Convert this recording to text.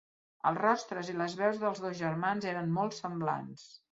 Els rostres i les veus dels dos germans eren molt semblants.